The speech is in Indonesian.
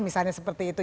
misalnya seperti itu